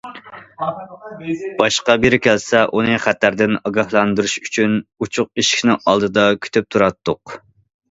باشقا بىرى كەلسە، ئۇنى خەتەردىن ئاگاھلاندۇرۇش ئۈچۈن ئوچۇق ئىشىكنىڭ ئالدىدا كۈتۈپ تۇراتتۇق.